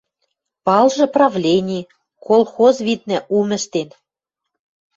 Палжы правлени, колхоз, виднӹ, ум ӹштен